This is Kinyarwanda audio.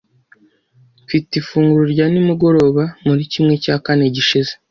Mfite ifunguro rya nimugoroba muri kimwe cya kane gishize.